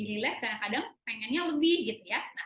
rilis kadang kadang pengennya lebih